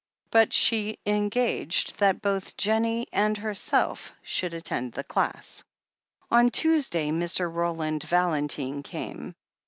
But she engaged that both Jennie and herself should attend the classes. On Tuesday Mr. Roland Valentine came.